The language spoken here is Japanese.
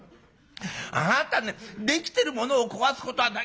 あなたねできてるものを壊すことはない。